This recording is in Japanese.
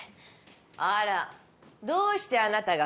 あらどうしてあなたがここに？